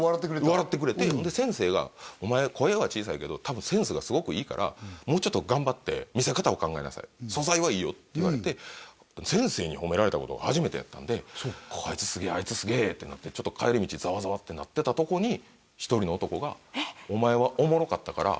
笑ってくれてで先生が「お前声は小さいけどたぶんセンスがすごくいいから」「もうちょっと頑張って見せ方を考えなさい」「素材はいいよ」って言われて先生に褒められたことが初めてやったんであいつすげえってなって帰り道ざわざわってなってたとこに１人の男が「お前はおもろかったから」